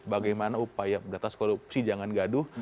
bagaimana upaya beratas korupsi jangan gaduh